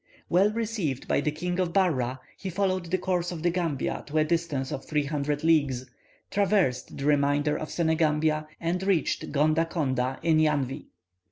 Well received by the King of Barra, he followed the course of the Gambia to a distance of three hundred leagues, traversed the remainder of Senegambia, and reached Gonda Konda in Yanvi.